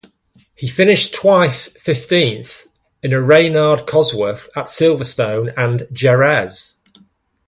He finished twice fifteenth in a Reynard-Cosworth at Silverstone and Jerez.